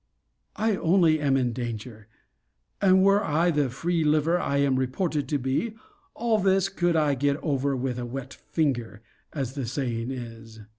I only am in danger: but were I the free liver I am reported to be, all this could I get over with a wet finger, as the saying is.